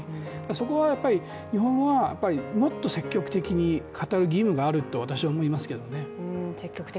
そこは日本はもっと積極的に語る義務があると、私は思いますけどね。